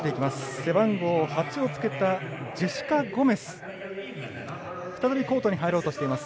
背番号８をつけたジェシカ・ゴメスが再びコートに入ろうとしています。